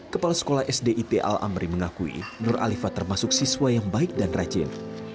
kepala sekolah sdit al amri mengakui nur alifa termasuk siswa yang baik dan rajin